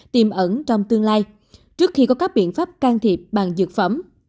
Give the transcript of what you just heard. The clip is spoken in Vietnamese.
tiềm ẩn trong tương lai trước khi có các biện pháp can thiệp bằng dược phẩm